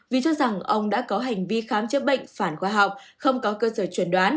vì cho rằng ông đã có hành vi khám chữa bệnh phản khoa học không có cơ sở chuẩn đoán